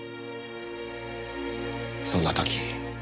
そんな時。